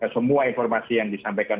semua informasi yang disampaikan